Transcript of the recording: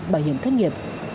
bảo hiểm thất nghiệp